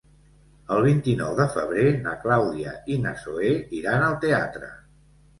El vint-i-nou de febrer na Clàudia i na Zoè iran al teatre.